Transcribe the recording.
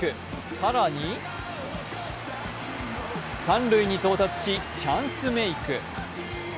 更に三塁に到達し、チャンスメーク。